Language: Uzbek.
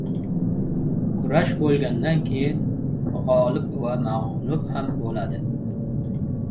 – Kurash boʻlgandan keyin, gʻolib va magʻlub ham boʻladi.